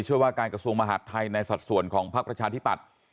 ว่าการกระทรวงมหาดไทยในสัดส่วนของพักประชาธิปัตย์